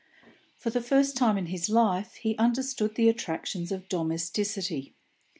For the first time in his life he understood the attractions of domesticity.